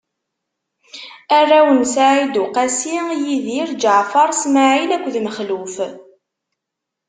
Arraw n Said Uqasi: Yidir, Ǧaɛfaṛ, Smaɛil akked Mexluf.